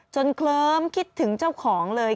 เคลิ้มคิดถึงเจ้าของเลย